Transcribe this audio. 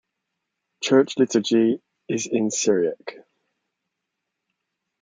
Church liturgy is in Syriac.